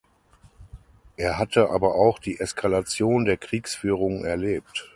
Er hatte aber auch die Eskalation der Kriegsführung erlebt.